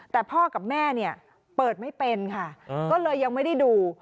แต่พ่อกับแม่เนี่ยเปิดไม่เป็นค่ะก็เลยยังไม่ได้ดู